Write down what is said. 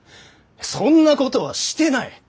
そんなことはしてない！